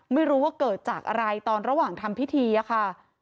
ไม่รู้ว่าเกิดจากอะไรตอนระหว่างทำพิธีอะค่ะ